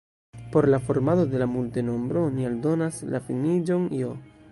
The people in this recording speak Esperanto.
Por la formado de la multenombro oni aldonas la finiĝon j.